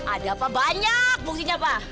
ada apa banyak fungsinya pak